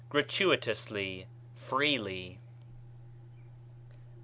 gratuitously, freely.